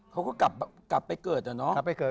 เขาก็กลับไปเกิดอะเนาะ